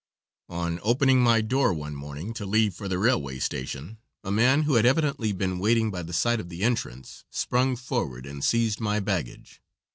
On opening my door one morning to leave for the railway station a man, who had evidently been waiting by the side of the entrance, sprung forward and seized my baggage.